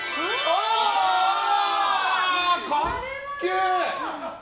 かっけー！